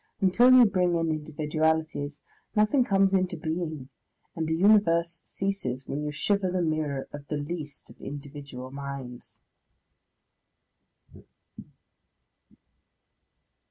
Until you bring in individualities, nothing comes into being, and a Universe ceases when you shiver the mirror of the least of individual minds.